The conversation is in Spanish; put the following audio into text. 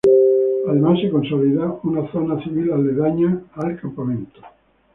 Además se consolidó una zona civil aledaña al campamento.